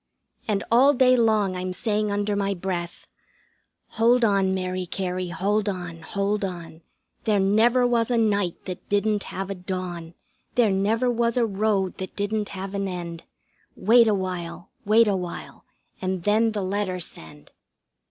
And all day long I'm saying under my breath: "Hold on, Mary Cary, hold on, hold on. There never was a night that didn't have a dawn. There never was a road that didn't have an end. Wait awhile, wait awhile, and then the letter send."